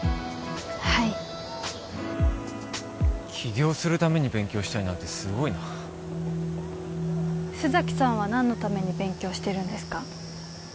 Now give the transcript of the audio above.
はい起業するために勉強したいなんてすごいな須崎さんは何のために勉強してるんですか？